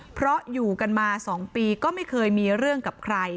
เพราะอยู่กันมา๒ปีก็ไม่เคยมีเรื่องกับใคร